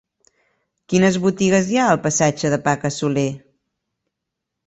Quines botigues hi ha al passatge de Paca Soler?